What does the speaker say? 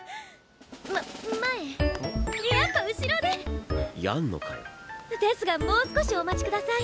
ま前やっぱ後ろでやんのかよですがもう少しお待ちください